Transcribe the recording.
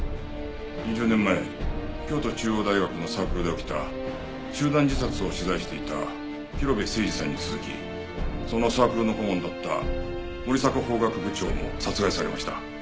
２０年前京都中央大学のサークルで起きた集団自殺を取材していた広辺誠児さんに続きそのサークルの顧問だった森迫法学部長も殺害されました。